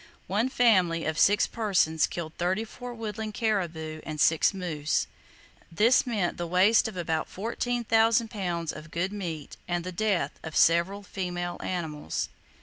one family of six persons killed thirty four woodland caribou and six moose. This meant the waste of about 14,000 pounds of good meat, and the death of several female animals.